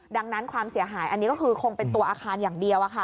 ดังนั้นความเสียหายอันนี้ก็คือคงเป็นตัวอาคารอย่างเดียว